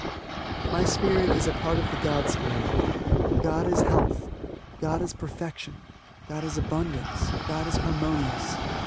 My Spirit is a part of the God Spirit. God is health, God is perfection, God is abundance, God is harmonious.